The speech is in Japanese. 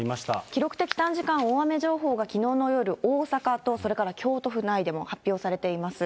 記録的短時間大雨情報がきのうの夜、大阪と、それから京都府内でも発表されています。